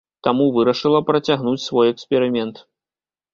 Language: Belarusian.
Таму вырашыла працягнуць свой эксперымент.